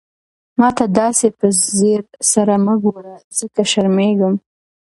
ما ته داسې په ځير سره مه ګوره، ځکه شرمېږم.